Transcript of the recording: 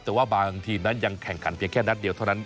แต่ว่าบางทีมนั้นยังแข่งขันเพียงแค่นัดเดียวเท่านั้น